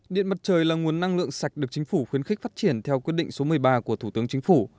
điện mặt trời là nguồn năng lượng sạch được chính phủ khuyến khích phát triển theo quyết định số một mươi ba của thủ tướng chính phủ